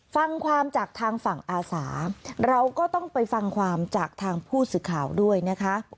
ฟังความจากทางฝั่งอาสาเราก็ต้องไปฟังความจากทางผู้สื่อข่าวด้วยนะคะ